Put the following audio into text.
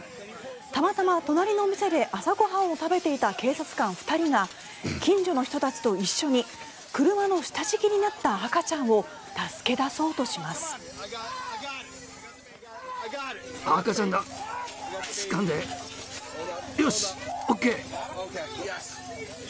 たまたま隣の店で朝ご飯を食べていた警察官２人が近所の人たちと一緒に車の下敷きになった赤ちゃんを助け出そうとします。